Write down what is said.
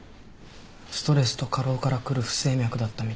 ストレスと過労からくる不整脈だったみたい。